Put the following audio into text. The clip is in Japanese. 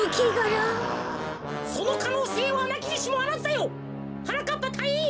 そのかのうせいはなきにしもあらずだよ！はなかっぱたいいん！